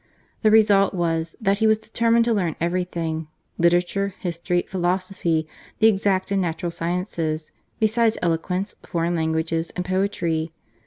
The result was, that he was determined to learn every thing : literature, history, philosophy, the exact and natural sciences, besides eloquence, foreign lan guages, and poetry.